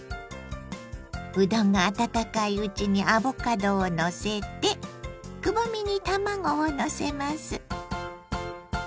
うどんが温かいうちにアボカドをのせてくぼみに卵をのせます。